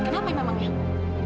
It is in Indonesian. kenapa ini memangnya